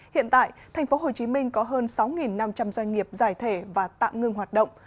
hiện tại thành phố hồ chí minh có hơn sáu năm trăm linh doanh nghiệp giải thể và tạm ngưng hoạt động